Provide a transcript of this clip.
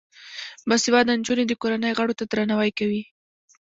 باسواده نجونې د کورنۍ غړو ته درناوی کوي.